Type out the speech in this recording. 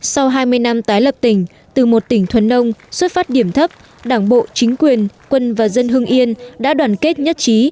sau hai mươi năm tái lập tỉnh từ một tỉnh thuần nông xuất phát điểm thấp đảng bộ chính quyền quân và dân hương yên đã đoàn kết nhất trí